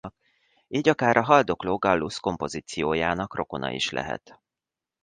Így akár a haldokló gallus kompozíciójának rokona is lehet.